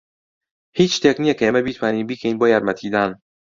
هیچ شتێک نییە کە ئێمە بتوانین بیکەین بۆ یارمەتیدان.